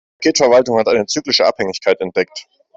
Die Paketverwaltung hat eine zyklische Abhängigkeit entdeckt.